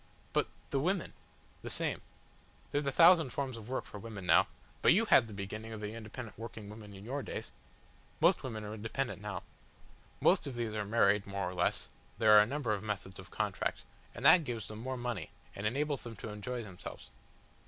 "But the women?" "The same. There's a thousand forms of work for women now. But you had the beginning of the independent working woman in your days. Most women are independent now. Most of these are married more or less there are a number of methods of contract and that gives them more money, and enables them to enjoy themselves."